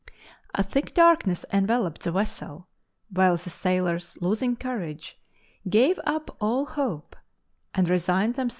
A thick darkness enveloped the vessel, while the sailors, losing courage, gave up all hope and 112 LIFE OF ST.